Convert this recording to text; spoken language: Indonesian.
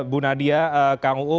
bu nadia kang uu